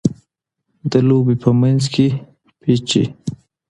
د لوبي په منځ کښي پېچ يي.